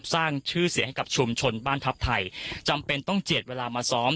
สร้างชื่อเสียงให้กับชุมชนบ้านทัพไทยจำเป็นต้องเจียดเวลามาซ้อม